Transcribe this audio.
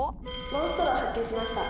「モンストロ発見しました。